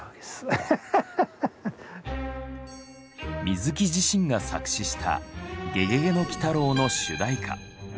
水木自身が作詞した「ゲゲゲの鬼太郎」の主題歌。